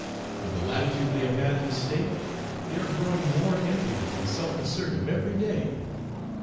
With the latitude they have had in this state they are growing more impudent and self assertive every day.